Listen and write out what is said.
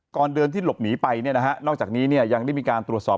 ก่อนเดินที่หลบหนีไปนอกจากนี้ยังได้มีการตรวจสอบ